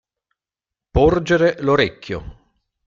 Porgere l'orecchio.